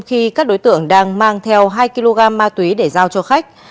khi các đối tượng đang mang theo hai kg ma túy để giao cho khách